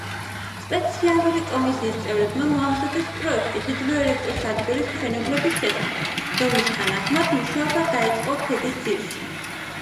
სპეციალური კომისიის წევრებმა მოამზადეს პროექტი ჰიდროელექტროსადგურის მშენებლობის შესახებ, რომლის თანახმად, მუშაობა დაიწყო ქედის ძირში.